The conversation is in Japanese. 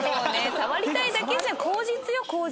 触りたいだけじゃん。